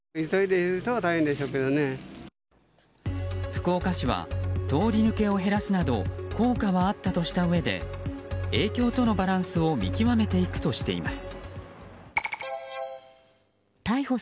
福岡市は通り抜けを減らすなど効果はあったとしたうえで影響とのバランスを見極めていくとしています。